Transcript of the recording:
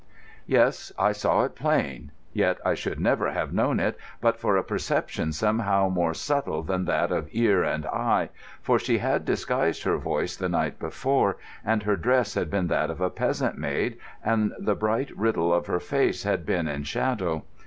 Yes, I saw it plain. Yet I should never have known it but for a perception somehow more subtle than that of ear and eye—for she had disguised her voice the night before, and her dress had been that of a peasant maid, and the bright riddle of her face had been in shadow.